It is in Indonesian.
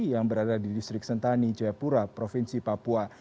yang berada di distrik sentani jayapura provinsi papua